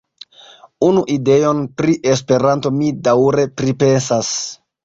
Unu ideon pri Esperanto mi daŭre pripensas.